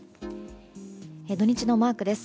土日のマークです。